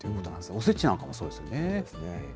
おせちなんかもそうですよね。